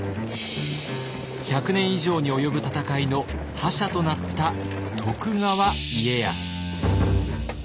１００年以上に及ぶ戦いの覇者となった徳川家康。